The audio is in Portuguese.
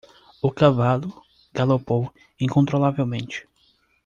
O cavalo galopou incontrolavelmente.